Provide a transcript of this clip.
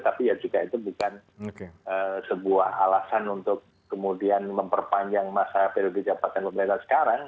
tapi ya jika itu bukan sebuah alasan untuk kemudian memperpanjang masa periode jabatan pemerintah sekarang